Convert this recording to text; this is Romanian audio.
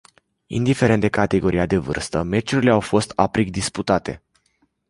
Indiferent de categoria de vârstă, meciurile au fost aprig disputate.